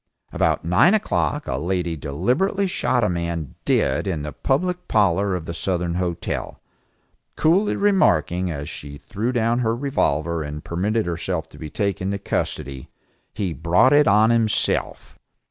About nine o'clock a lady deliberately shot a man dead in the public parlor of the Southern Hotel, coolly remarking, as she threw down her revolver and permitted herself to be taken into custody, "He brought it on himself."